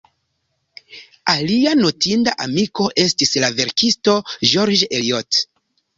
Alia notinda amiko estis la verkisto George Eliot.